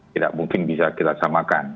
tidak mungkin bisa kita samakan